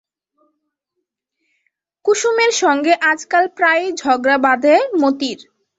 কুসুমের সঙ্গে আজকাল প্রায়ই ঝগড়া বাধে মতির।